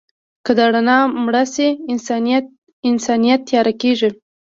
که دا رڼا مړه شي، انسانیت تیاره کېږي.